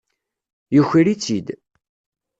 Yuker-itt-id.